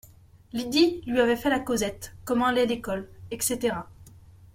Lydie lui avait fait la causette, comment allait l’école, etc.